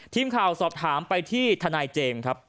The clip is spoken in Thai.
ทีมข่าวสอบถามไปที่ทนายเจมส์ครับ